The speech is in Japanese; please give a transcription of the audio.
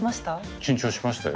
緊張しましたよ。